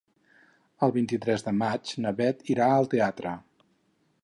El vint-i-tres de maig na Bet irà al teatre.